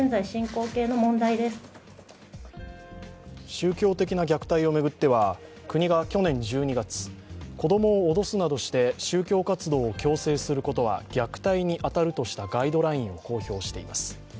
宗教的な虐待を巡っては国が去年１２月子供脅すなどして宗教活動を強制することは虐待に当たるとしたガイドラインを公表しています。